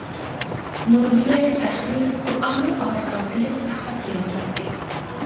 نۇربىيە چاچنى قۇرئاننىڭ ئارىسىغا سېلىپ ساقلاپ كېلىۋاتاتتى.